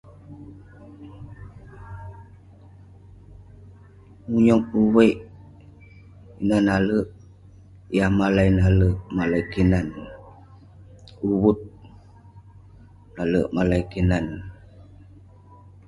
nyok uviek, nan nalek, yah malai nalek, malai kinan, uvut nalek malai kinan.